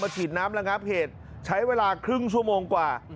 ฉีดน้ำระงับเหตุใช้เวลาครึ่งชั่วโมงกว่า